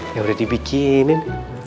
ya udah dibikinin